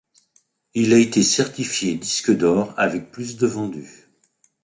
Il a été certifié disque d'or avec plus de vendus.